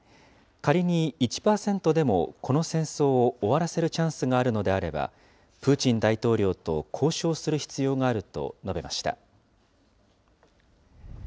仮に１％でもこの戦争を終わらせるチャンスがあるのであれば、プーチン大統領と交渉する必要があると述べました。